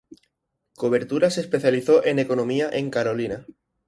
Coberturas especializó en economía en Carolina.